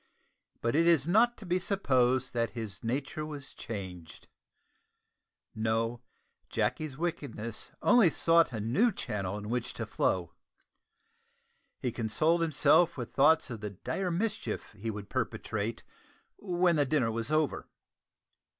But it is not to be supposed that his nature was changed. No Jacky's wickedness only sought a new channel in which to flow. He consoled himself with thoughts of the dire mischief he would perpetrate when the dinner was over.